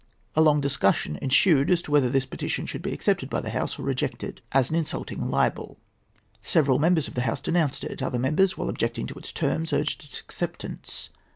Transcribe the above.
A long discussion ensued as to whether this petition should be accepted by the House or rejected as an insulting libel. Several members of the House denounced it. Other members, while objecting to its terms, urged its acceptance.